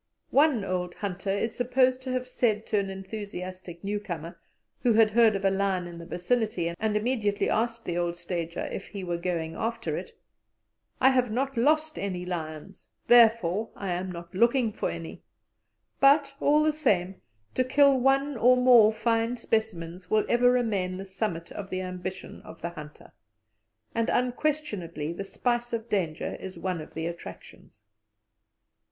One old hunter is supposed to have said to an enthusiastic newcomer, who had heard of a lion in the vicinity, and immediately asked the old stager if he were going after it: "I have not lost any lions, therefore I am not looking for any"; but, all the same, to kill one or more fine specimens will ever remain the summit of the ambition of the hunter, and unquestionably the spice of danger is one of the attractions.